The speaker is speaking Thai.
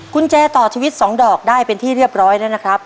กุญแจต่อชีวิต๒ดอกได้เป็นที่เรียบร้อยแล้วนะครับ